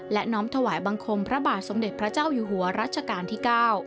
และน้อมถวายบังคมพระบาทสมเด็จพระเจ้าอยู่หัวรัชกาลที่๙